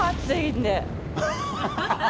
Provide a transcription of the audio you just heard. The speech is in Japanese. ハハハハ！